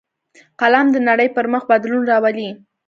قلم د نړۍ پر مخ بدلون راولي